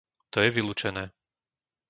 To je vylúčené.